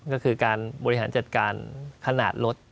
ก็คือการบริหารจัดการขนาดรถ